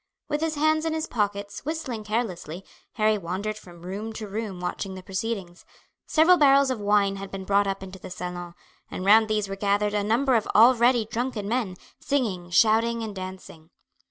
With his hands in his pockets, whistling carelessly, Harry wandered from room to room watching the proceedings. Several barrels of wine had been brought up into the salon, and round these were gathered a number of already drunken men, singing, shouting, and dancing.